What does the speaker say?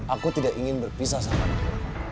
aku tidak ingin berpisah sama dia